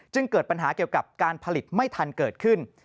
เกิดปัญหาเกี่ยวกับการผลิตไม่ทันเกิดขึ้น